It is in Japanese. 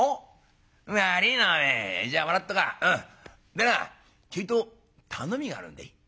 でなちょいと頼みがあるんでい」。